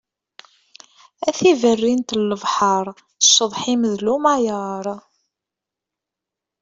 A tiberrint n lebḥer, cceḍḥ-im d llumayer.